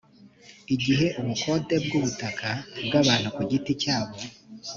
igihe ubukode bw ubutaka bw abantu ku giti cyabo